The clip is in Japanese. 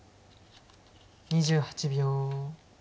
２８秒。